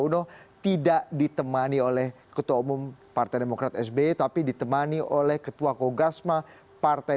uno tidak ditemani oleh ketua umum partai demokrat sby tapi ditemani oleh ketua kogasma partai